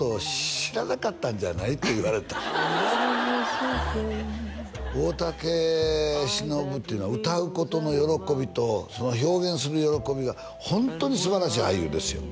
「知らなかったんじゃない？」と言われた大竹しのぶっていうのは歌うことの喜びとその表現する喜びがホントにすばらしい俳優ですよ